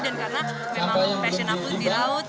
dan karena memang passion aku di laut